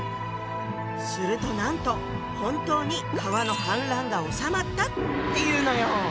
するとなんと本当に川の氾濫がおさまったっていうのよ！